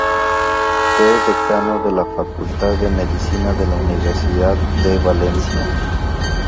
Fue Decano de la Facultad de Medicina de la Universidad de Valencia.